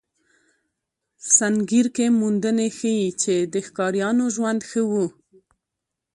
سنګیر کې موندنې ښيي، چې د ښکاریانو ژوند ښه و.